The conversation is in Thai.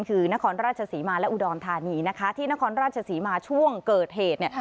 คือนครราชศรีมาและอุดรธานีนะคะที่นครราชศรีมาช่วงเกิดเหตุเนี่ย